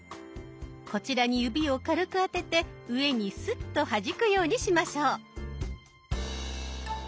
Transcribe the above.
こちらに指を軽くあてて上にスッとはじくようにしましょう。